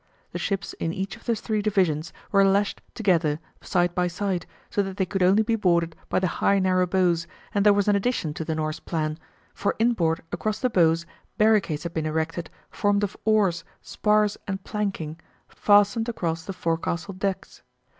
The ships in each of the three divisions were lashed together side by side, so that they could only be boarded by the high narrow bows, and there was an addition to the Norse plan, for inboard across the bows barricades had been erected formed of oars, spars, and planking, fastened across the forecastle decks.